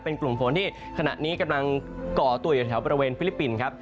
เป็นกลุ่มฝนที่ขณะนี้กำลังก่อตัวอยู่แถวบริเวณฟิลิปปินส์ครับ